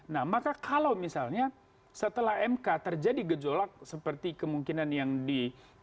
nah maka kalau misalnya setelah mk terjadi gejolak seperti kemungkinan yang di